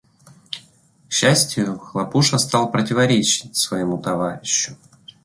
К счастию, Хлопуша стал противоречить своему товарищу.